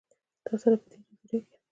تا سره، په دې جزیره کې